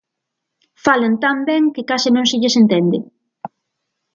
Falan tan ben que case non se lles entende.